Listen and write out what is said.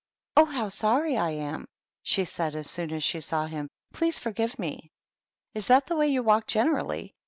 "Oh, how sorry I am !" she said, as soon as she saw him, "Please forgive me." "Is that the way you walk generally?"